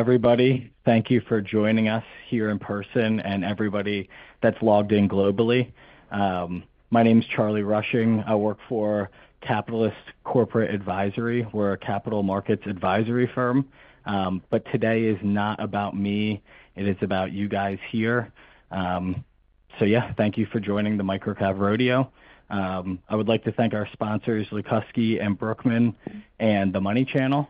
Hello, everybody. Thank you for joining us here in person and everybody that's logged in globally. My name is Charlie Rushing. I work for Catalyst Corporate Advisory. We're a capital markets advisory firm. But today is not about me, it is about you guys here. So yeah, thank you for joining the MicroCap Rodeo. I would like to thank our sponsors, Lucosky Brookman, and The Money Channel.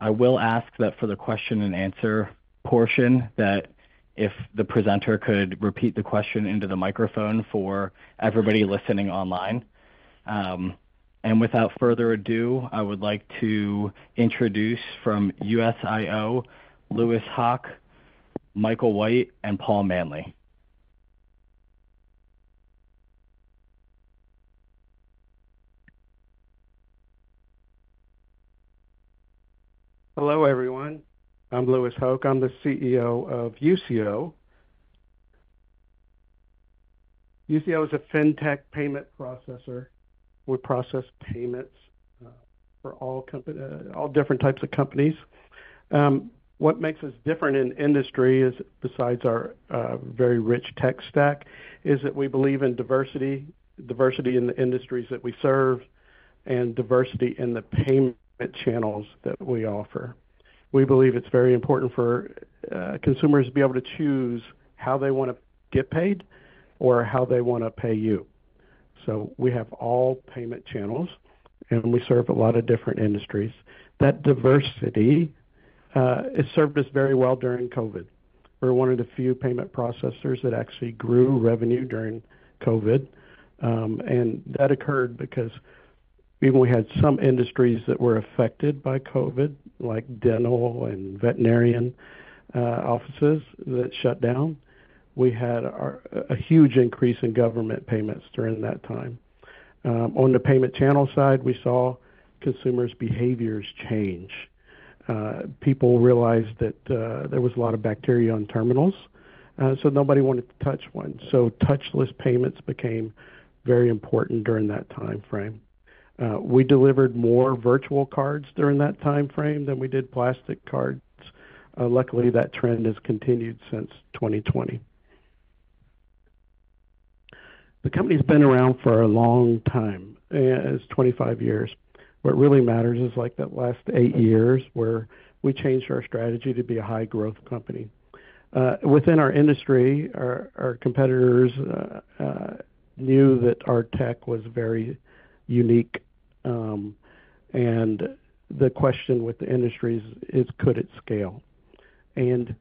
I will ask that for the question and answer portion, that if the presenter could repeat the question into the microphone for everybody listening online. And without further ado, I would like to introduce from Usio, Louis Hoch, Michael White, and Paul Manley. Hello, everyone. I'm Louis Hoch, I'm the CEO of Usio. Usio is a fintech payment processor. We process payments for all different types of companies. What makes us different in industry is, besides our very rich tech stack, that we believe in diversity, diversity in the industries that we serve and diversity in the payment channels that we offer. We believe it's very important for consumers to be able to choose how they wanna get paid or how they wanna pay you. So we have all payment channels, and we serve a lot of different industries. That diversity served us very well during COVID. We're one of the few payment processors that actually grew revenue during COVID. And that occurred because even we had some industries that were affected by COVID, like dental and veterinarian offices that shut down. We had a huge increase in government payments during that time. On the payment channel side, we saw consumers' behaviors change. People realized that there was a lot of bacteria on terminals, so nobody wanted to touch one. So touchless payments became very important during that time frame. We delivered more virtual cards during that time frame than we did plastic cards. Luckily, that trend has continued since 2020. The company's been around for a long time; it's 25 years. What really matters is, like, the last eight years, where we changed our strategy to be a high-growth company. Within our industry, our competitors knew that our tech was very unique. And the question with the industry is, could it scale? And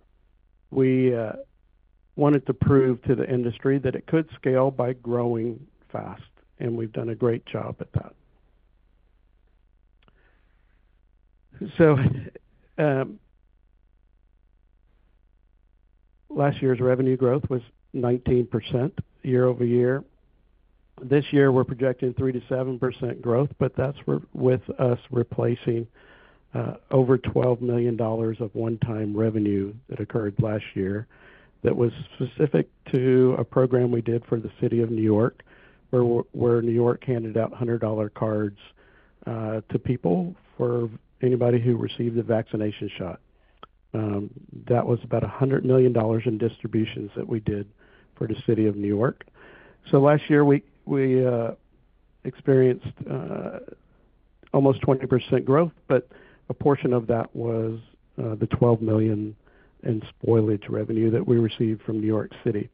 we wanted to prove to the industry that it could scale by growing fast, and we've done a great job at that. So, last year's revenue growth was 19% year-over-year. This year, we're projecting 3%-7% growth, but that's with us replacing over $12 million of one-time revenue that occurred last year. That was specific to a program we did for the city of New York, where New York handed out $100 cards to people for anybody who received a vaccination shot. That was about $100 million in distributions that we did for the city of New York. So last year, we experienced almost 20% growth, but a portion of that was the $12 million in spoilage revenue that we received from New York City.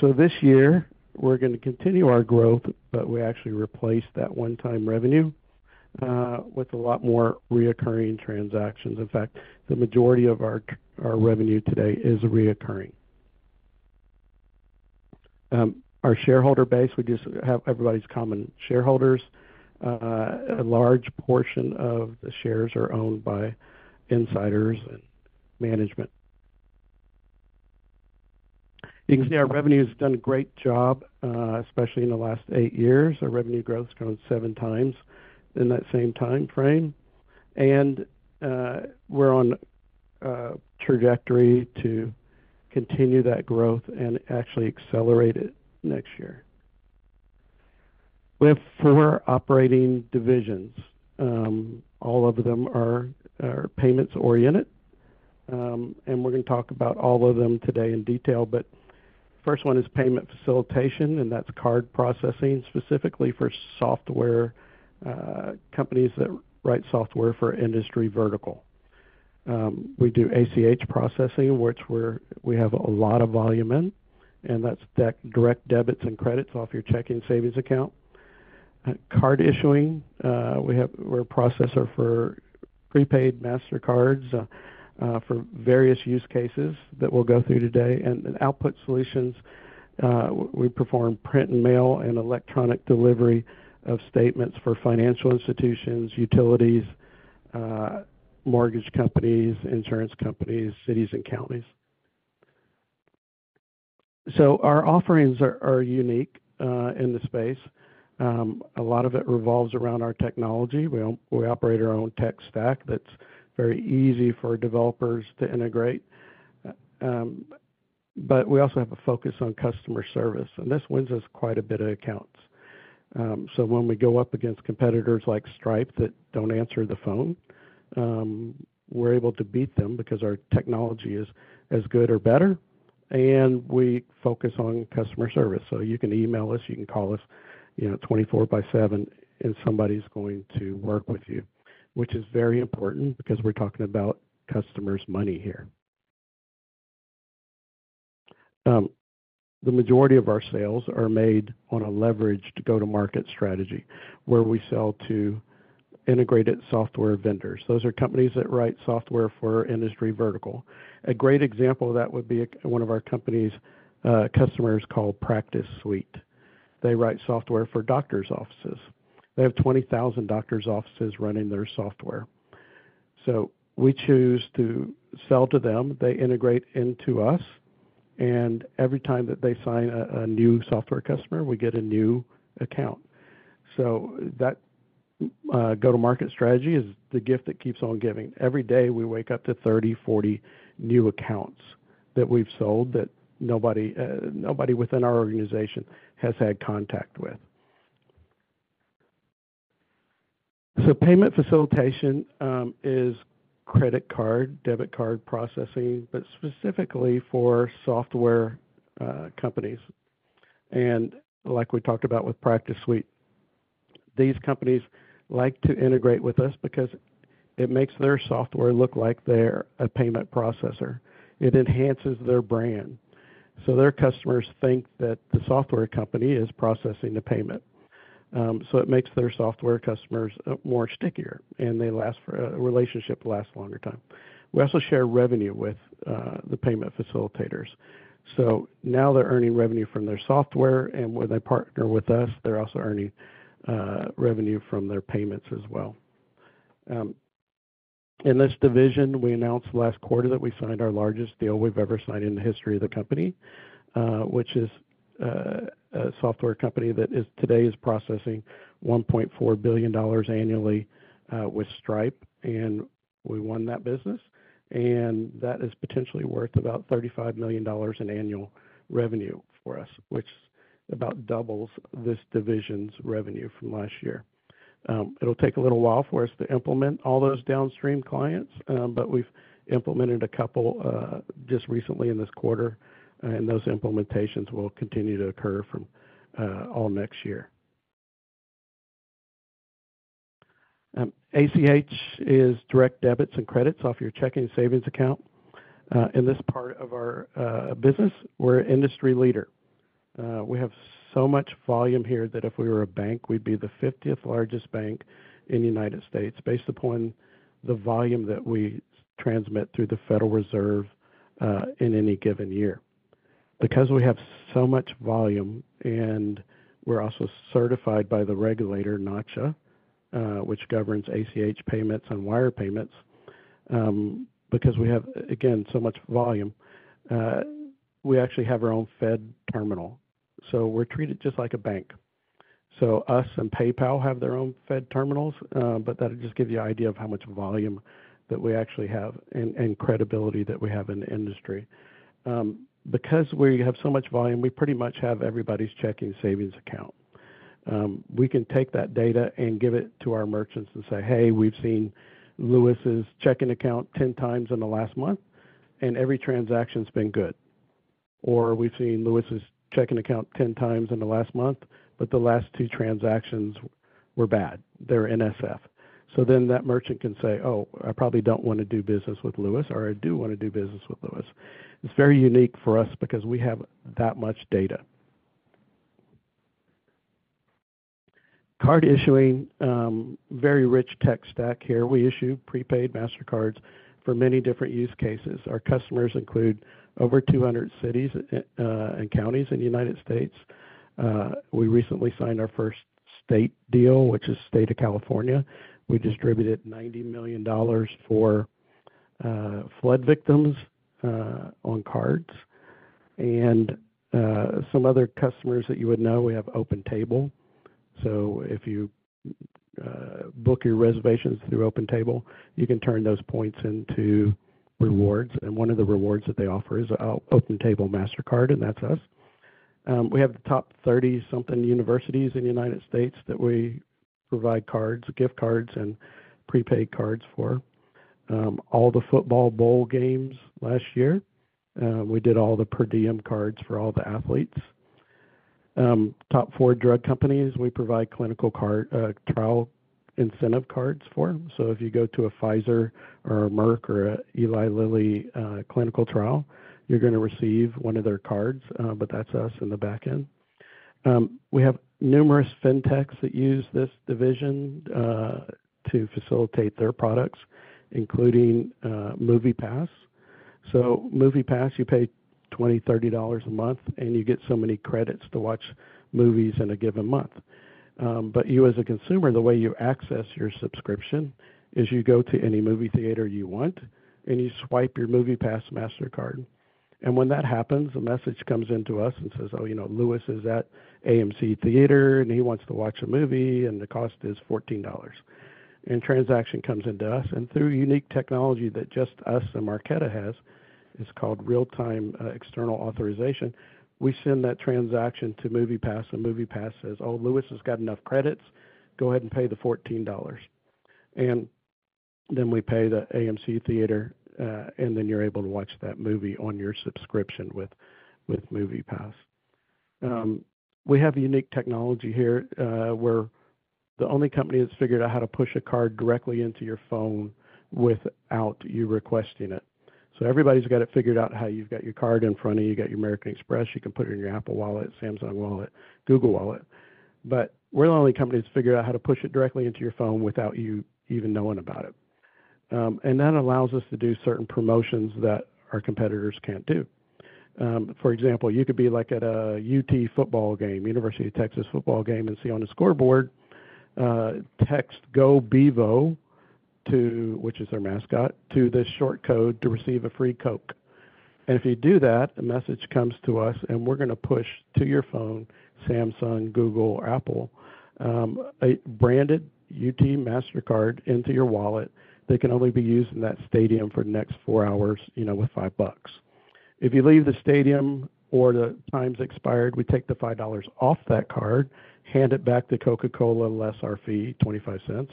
So this year, we're going to continue our growth, but we actually replaced that one-time revenue with a lot more recurring transactions. In fact, the majority of our revenue today is recurring. Our shareholder base, we just have everybody's common shareholders. A large portion of the shares are owned by insiders and management. You can see our revenue has done a great job, especially in the last eight years. Our revenue growth has grown seven times in that same time frame, and we're on a trajectory to continue that growth and actually accelerate it next year. We have four operating divisions. All of them are payments-oriented, and we're going to talk about all of them today in detail. But first one is payment facilitation, and that's card processing, specifically for software companies that write software for industry vertical. We do ACH processing, which we have a lot of volume in, and that's direct debits and credits off your checking savings account. Card issuing, we have. We're a processor for prepaid Mastercards for various use cases that we'll go through today. And then Output Solutions, we perform print and mail and electronic delivery of statements for financial institutions, utilities, mortgage companies, insurance companies, cities and counties. So our offerings are unique in the space. A lot of it revolves around our technology. We operate our own tech stack that's very easy for developers to integrate, but we also have a focus on customer service, and this wins us quite a bit of accounts, so when we go up against competitors like Stripe that don't answer the phone, we're able to beat them because our technology is as good or better, and we focus on customer service, so you can email us, you can call us, you know, 24/7, and somebody's going to work with you, which is very important because we're talking about customers' money here. The majority of our sales are made on a leveraged go-to-market strategy, where we sell to integrated software vendors. Those are companies that write software for industry vertical. A great example of that would be one of our company's customers called PracticeSuite. They write software for doctors' offices. They have 20,000 doctors' offices running their software. So we choose to sell to them. They integrate into us, and every time that they sign a new software customer, we get a new account. So that go-to-market strategy is the gift that keeps on giving. Every day, we wake up to 30-40 new accounts that we've sold, that nobody within our organization has had contact with. So payment facilitation is credit card, debit card processing, but specifically for software companies. And like we talked about with PracticeSuite, these companies like to integrate with us because it makes their software look like they're a payment processor. It enhances their brand. So their customers think that the software company is processing the payment. So it makes their software customers more stickier, and the relationship lasts longer time. We also share revenue with the payment facilitators. So now they're earning revenue from their software, and when they partner with us, they're also earning revenue from their payments as well. In this division, we announced last quarter that we signed our largest deal we've ever signed in the history of the company, which is a software company that is today processing $1.4 billion annually with Stripe, and we won that business. That is potentially worth about $35 million in annual revenue for us, which about doubles this division's revenue from last year. It'll take a little while for us to implement all those downstream clients, but we've implemented a couple, just recently in this quarter, and those implementations will continue to occur from all next year. ACH is direct debits and credits off your checking and savings account. In this part of our business, we're industry leader. We have so much volume here that if we were a bank, we'd be the fiftieth largest bank in the United States, based upon the volume that we transmit through the Federal Reserve, in any given year. Because we have so much volume and we're also certified by the regulator, Nacha, which governs ACH payments and wire payments, because we have, again, so much volume, we actually have our own Fed terminal, so we're treated just like a bank. Us and PayPal have their own Fed terminals, but that'll just give you an idea of how much volume that we actually have and credibility that we have in the industry. Because we have so much volume, we pretty much have everybody's checking and savings account. We can take that data and give it to our merchants and say, "Hey, we've seen Louis's checking account 10x in the last month, and every transaction's been good." Or, "We've seen Louis's checking account 10x in the last month, but the last two transactions were bad. They're NSF." So then that merchant can say, "Oh, I probably don't want to do business with Louis," or, "I do want to do business with Louis." It's very unique for us because we have that much data. Card issuing, very rich tech stack here. We issue prepaid Mastercards for many different use cases. Our customers include over 200 cities and counties in the United States. We recently signed our first state deal, which is State of California. We distributed $90 million for flood victims on cards and some other customers that you would know, we have OpenTable. So if you book your reservations through OpenTable, you can turn those points into rewards, and one of the rewards that they offer is a OpenTable Mastercard, and that's us. We have the top 30-something universities in the United States that we provide cards, gift cards and prepaid cards for. All the football bowl games last year, we did all the per diem cards for all the athletes. Top four drug companies, we provide clinical card trial incentive cards for them. So if you go to a Pfizer or a Merck or an Eli Lilly clinical trial, you're gonna receive one of their cards, but that's us in the back end. We have numerous fintechs that use this division to facilitate their products, including MoviePass. So MoviePass, you pay $20-$30 a month, and you get so many credits to watch movies in a given month. But you, as a consumer, the way you access your subscription is you go to any movie theater you want, and you swipe your MoviePass Mastercard. And when that happens, a message comes in to us and says, oh, you know, Louis is at AMC Theatres, and he wants to watch a movie, and the cost is $14. A transaction comes into us, and through unique technology that just us and Marqeta has, it's called real-time external authorization. We send that transaction to MoviePass, and MoviePass says, Oh, Louis has got enough credits. Go ahead and pay the $14. And then we pay the AMC Theatres, and then you're able to watch that movie on your subscription with MoviePass. We have a unique technology here. We're the only company that's figured out how to push a card directly into your phone without you requesting it. So everybody's got it figured out how you've got your card in front of you. You got your American Express. You can put it in your Apple Wallet, Samsung Wallet, Google Wallet. But we're the only company that's figured out how to push it directly into your phone without you even knowing about it. And that allows us to do certain promotions that our competitors can't do. For example, you could be like at a UT football game, University of Texas football game, and see on the scoreboard, text Go Bevo to, which is our mascot, to this short code to receive a free Coke. And if you do that, the message comes to us, and we're gonna push to your phone, Samsung, Google, Apple, a branded UT Mastercard into your wallet that can only be used in that stadium for the next four hours, you know, with $5. If you leave the stadium or the time's expired, we take the $5 off that card, hand it back to Coca-Cola, less our fee, $0.25,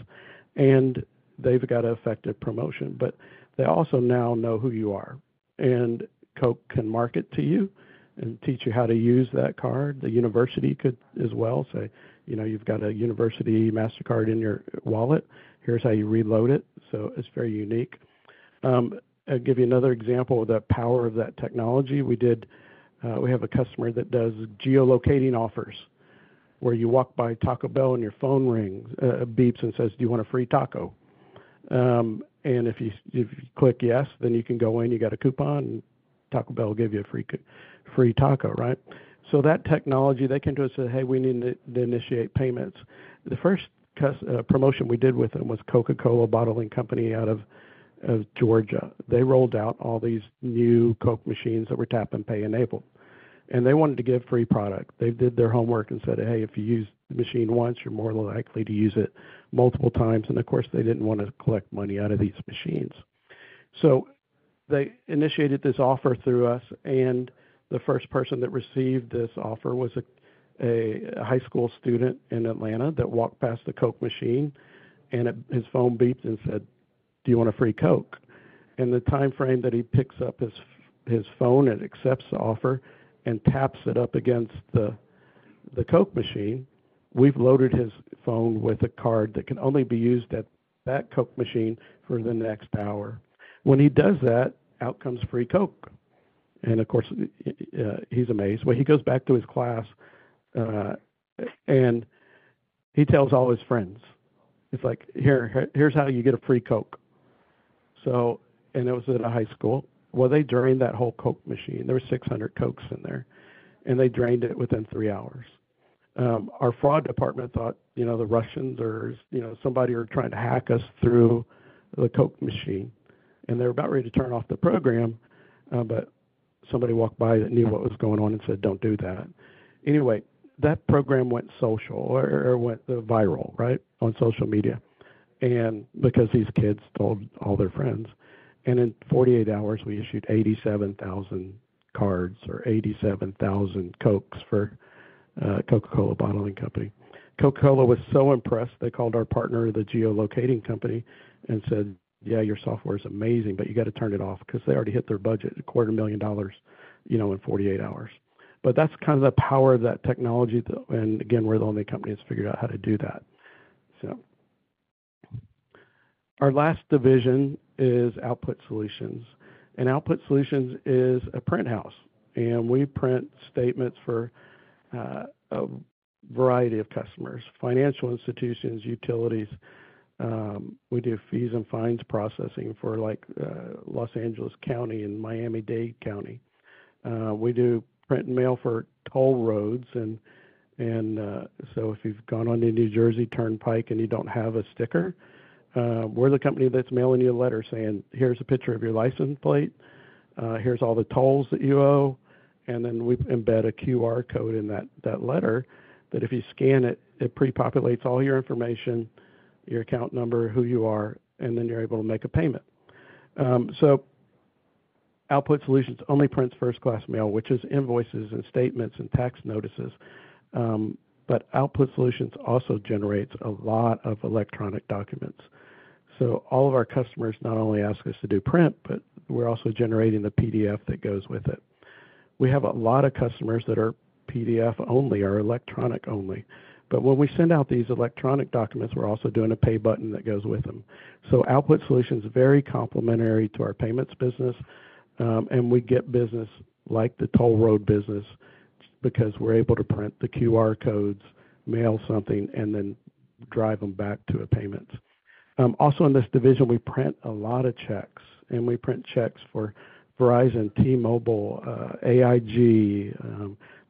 and they've got an effective promotion. But they also now know who you are, and Coke can market to you and teach you how to use that card. The university could as well, say, you know, you've got a university Mastercard in your wallet. Here's how you reload it. So it's very unique. I'll give you another example of the power of that technology. We do, we have a customer that does geolocation offers, where you walk by Taco Bell and your phone rings, beeps and says, "Do you want a free taco?" And if you, if you click yes, then you can go in, you got a coupon, and Taco Bell will give you a free taco, right? So that technology, they came to us and said, "Hey, we need to initiate payments." The first promotion we did with them was Coca-Cola Bottling Company out of Georgia. They rolled out all these new Coke machines that were tap-and-pay-enabled, and they wanted to give free product. They did their homework and said, "Hey, if you use the machine once, you're more likely to use it multiple times." And of course, they didn't want to collect money out of these machines. They initiated this offer through us, and the first person that received this offer was a high school student in Atlanta that walked past the Coke machine, and it, his phone beeps and said, "Do you want a free Coke?" In the timeframe that he picks up his phone and accepts the offer and taps it up against the Coke machine, we've loaded his phone with a card that can only be used at that Coke machine for the next hour. When he does that, out comes free Coke. And of course, he's amazed. Well, he goes back to his class, and he tells all his friends. He's like: Here, here's how you get a free Coke. And it was at a high school. Well, they drained that whole Coke machine. There were 600 Cokes in there, and they drained it within three hours. Our fraud department thought, you know, the Russians or, you know, somebody were trying to hack us through the Coke machine, and they were about ready to turn off the program, but somebody walked by that knew what was going on and said, "Don't do that." Anyway, that program went social or went viral, right, on social media, and because these kids told all their friends, and in 48 hours, we issued 87,000 cards or 87,000 Cokes for Coca-Cola Bottling Company. Coca-Cola was so impressed, they called our partner, the geolocating company, and said, "Yeah, your software is amazing, but you got to turn it off," because they already hit their budget, $250,000, you know, in 48 hours. But that's kind of the power of that technology, and again, we're the only company that's figured out how to do that. Our last division is Output Solutions. And Output Solutions is a print house, and we print statements for a variety of customers, financial institutions, utilities. We do fees and fines processing for, like, Los Angeles County and Miami-Dade County. We do print and mail for toll roads, and so if you've gone on a New Jersey Turnpike and you don't have a sticker, we're the company that's mailing you a letter saying, "Here's a picture of your license plate. Here's all the tolls that you owe." And then we embed a QR code in that, that letter, that if you scan it, it prepopulates all your information, your account number, who you are, and then you're able to make a payment. So Output Solutions only prints first-class mail, which is invoices and statements and tax notices. But Output Solutions also generates a lot of electronic documents. So all of our customers not only ask us to do print, but we're also generating the PDF that goes with it. We have a lot of customers that are PDF only or electronic only, but when we send out these electronic documents, we're also doing a pay button that goes with them. Output Solutions is very complementary to our payments business, and we get business like the toll road business because we're able to print the QR codes, mail something, and then drive them back to a payment. Also in this division, we print a lot of checks, and we print checks for Verizon, T-Mobile, AIG,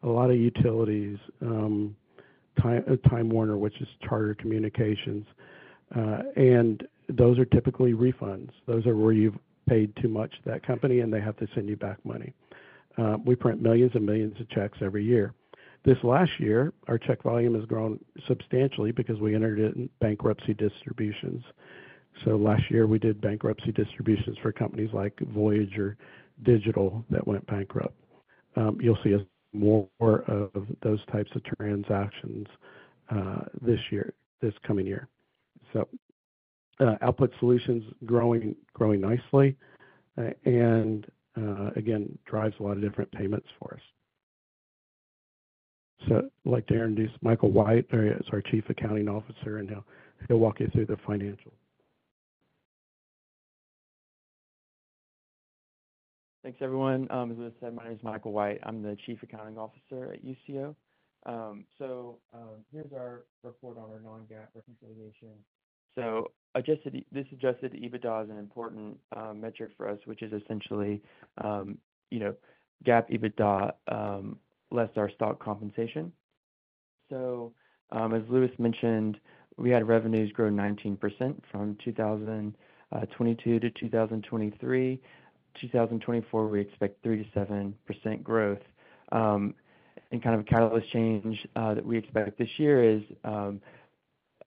a lot of utilities, Time Warner, which is Charter Communications. And those are typically refunds. Those are where you've paid too much to that company and they have to send you back money. We print millions and millions of checks every year. This last year, our check volume has grown substantially because we entered in bankruptcy distributions. Last year, we did bankruptcy distributions for companies like Voyager Digital that went bankrupt. You'll see more of those types of transactions this year, this coming year. So, Output Solutions growing nicely, and again, drives a lot of different payments for us. So I'd like to introduce Michael White, our Chief Accounting Officer, and he'll walk you through the financial. Thanks, everyone. As I said, my name is Michael White. I'm the Chief Accounting Officer at Usio. Here's our report on our non-GAAP reconciliation. Adjusted EBITDA is an important metric for us, which is essentially, you know, GAAP EBITDA less our stock compensation. As Louis mentioned, we had revenues grow 19% from 2022 to 2023. 2024, we expect 37% growth. Kind of a catalyst change that we expect this year is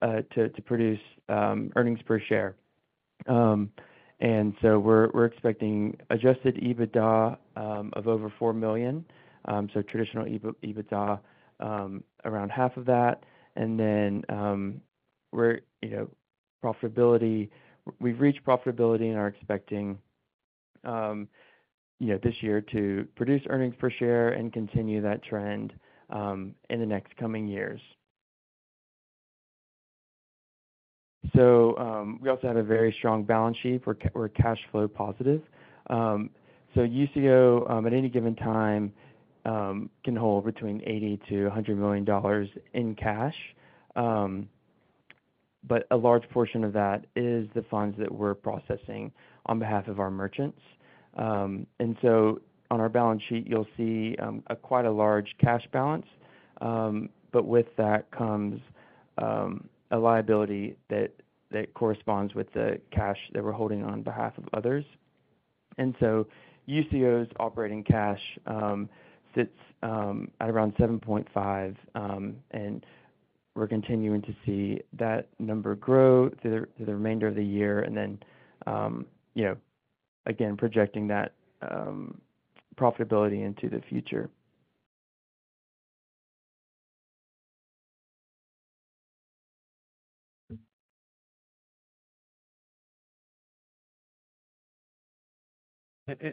to produce earnings per share. We're expecting adjusted EBITDA of over $4 million. Traditional EBITDA around half of that. We've reached profitability and are expecting, you know, this year to produce earnings per share and continue that trend, in the next coming years. So, we also have a very strong balance sheet. We're cash flow positive. So Usio, at any given time, can hold between $80 million-$100 million in cash. But a large portion of that is the funds that we're processing on behalf of our merchants. And so on our balance sheet, you'll see a quite large cash balance. But with that comes a liability that corresponds with the cash that we're holding on behalf of others. Usio's operating cash sits at around $7.5 million, and we're continuing to see that number grow through the remainder of the year. Then you know, again, projecting that profitability into the future.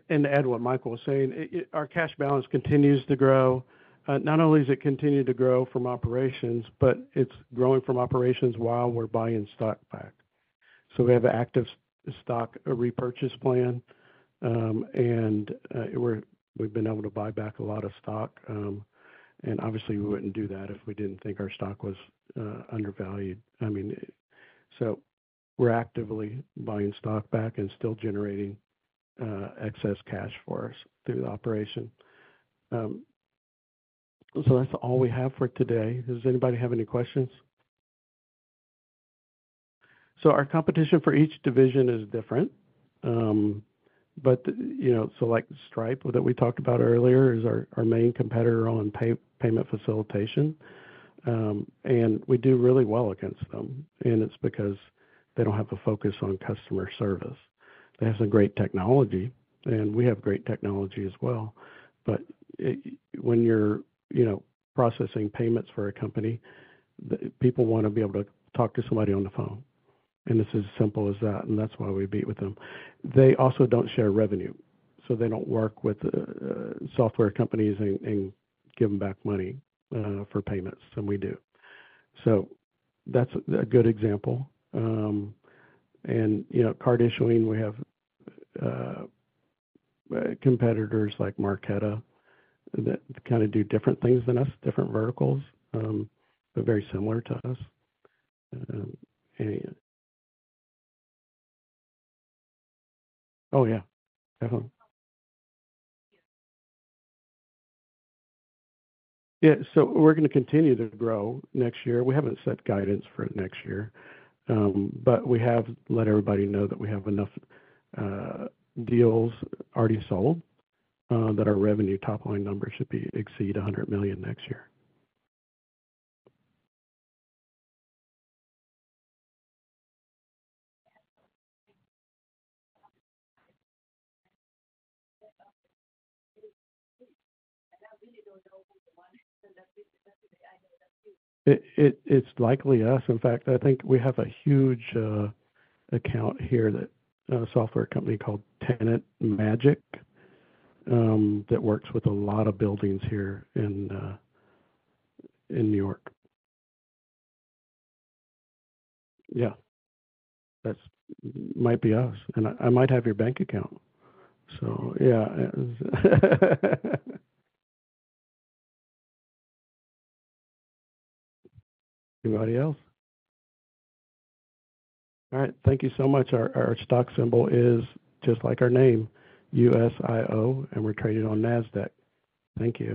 And to add what Michael was saying, our cash balance continues to grow. Not only does it continue to grow from operations, but it's growing from operations while we're buying stock back. So we have active stock, a repurchase plan, and we've been able to buy back a lot of stock. And obviously, we wouldn't do that if we didn't think our stock was undervalued. I mean, so we're actively buying stock back and still generating excess cash for us through the operation. So that's all we have for today. Does anybody have any questions? So our competition for each division is different. But you know, so like Stripe that we talked about earlier is our main competitor on payment facilitation. And we do really well against them, and it's because they don't have a focus on customer service. They have some great technology, and we have great technology as well. But when you're, you know, processing payments for a company, the people want to be able to talk to somebody on the phone, and it's as simple as that, and that's why we beat them. They also don't share revenue, so they don't work with software companies and give them back money for payments, and we do. So that's a good example. And, you know, card issuing, we have competitors like Marqeta that kind of do different things than us, different verticals, but very similar to us. Oh, yeah. Definitely. Yeah, so we're going to continue to grow next year. We haven't set guidance for next year, but we have let everybody know that we have enough deals already sold that our revenue top line number should exceed $100 million next year. It's likely us. In fact, I think we have a huge account here that a software company called TenantMagic that works with a lot of buildings here in New York. Yeah, that might be us, and I might have your bank account. So yeah. Anybody else? All right. Thank you so much. Our stock symbol is just like our name, Usio, and we're traded on Nasdaq. Thank you.